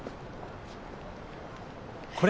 これ？